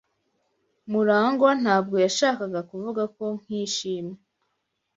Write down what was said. Murangwa ntabwo yashakaga kuvuga ko nkishimwe.